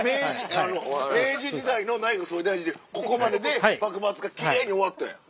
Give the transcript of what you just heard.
明治時代の内閣総理大臣でここまでで幕末が奇麗に終わったやん。